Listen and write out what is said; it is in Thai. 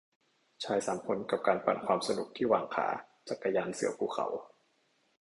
ชายสามคน กับการปั่นความสนุกที่หว่างขา จักรยานเสือภูเขา